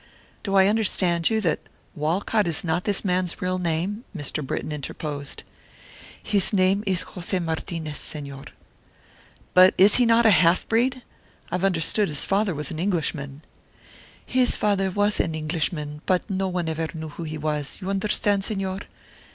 "Do I understand you that Walcott is not this man's real name?" Mr. Britton interposed. "His name is José Martinez, Señor." "But is he not a half breed? I have understood his father was an Englishman." "His father was an Englishman, but no one ever knew who he was, you understand, Señor?